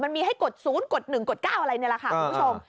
มันมีให้กด๐กด๑กด๙อะไรนี่แหละค่ะคุณผู้ชม